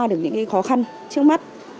được những khó khăn trước mắt